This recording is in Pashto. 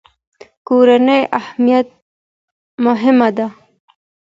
کورنۍ مهمه ده.